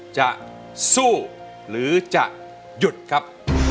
จะสู้หรือจะหยุดครับ